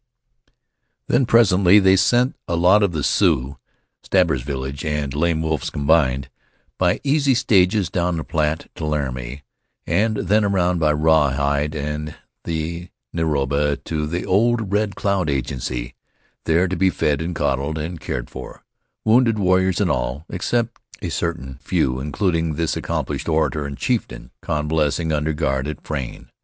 Then presently they sent a lot of the Sioux Stabber's villagers and Lame Wolf's combined, by easy stages down the Platte to Laramie, and then around by Rawhide and the Niobrara to the old Red Cloud agency, there to be fed and coddled and cared for, wounded warriors and all, except a certain few, including this accomplished orator and chieftain, convalescing under guard at Frayne.